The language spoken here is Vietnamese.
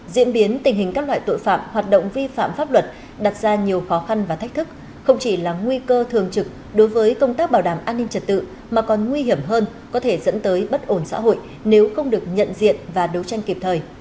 diễn biến tình hình các loại tội phạm hoạt động vi phạm pháp luật đặt ra nhiều khó khăn và thách thức không chỉ là nguy cơ thường trực đối với công tác bảo đảm an ninh trật tự mà còn nguy hiểm hơn có thể dẫn tới bất ổn xã hội nếu không được nhận diện và đấu tranh kịp thời